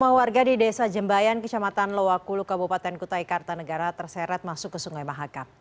rumah warga di desa jembayan kecamatan lowakulu kabupaten kutai kartanegara terseret masuk ke sungai mahakam